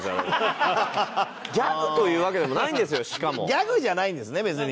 ギャグじゃないんですね別に。